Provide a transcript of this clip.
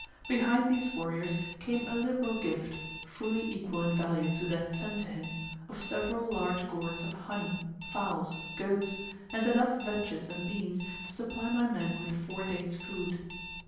Behind these warriors came a liberal gift, fully equal in value to that sent to him, of several large gourds of honey, fowls, goats, and enough vetches and beans to supply my men with four days' food.